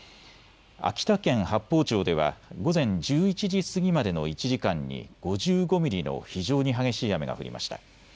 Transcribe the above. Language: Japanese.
秋田県八峰町では午前１１時過ぎまでの１時間に５５ミリの非常に激しい雨が降りました。